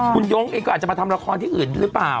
คุณยงเองก็อาจจะมาทำละครที่อื่นหรือเปล่า